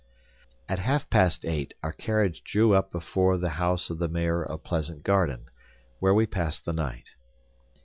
At half past eight our carriage drew up before the house of the Mayor of Pleasant Garden, where we passed the night.